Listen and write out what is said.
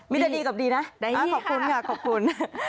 มีแต่ดีกับดีนะขอบคุณค่ะขอบคุณ